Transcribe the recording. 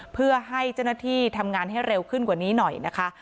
เพื่อให้เจ้าหน้าที่ทำงานให้เร็วขึ้นกว่านี้หน่อยนะคะ